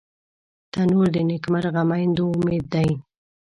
تنور د نیکمرغه میندو امید دی